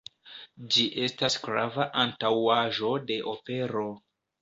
Ĝi estas grava antaŭaĵo de opero.